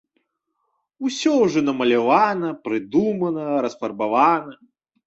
Усё ўжо намалявана, прыдумана, расфарбавана.